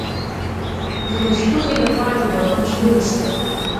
د وچ ټوخي لپاره د بادام شیدې وڅښئ